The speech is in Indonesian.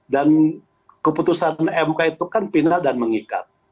dan keputusan mk itu kan pindah dan mengikat